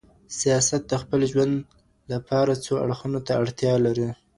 سياست د خپل ژوند له پاره څو اړخونو ته اړتيا لري.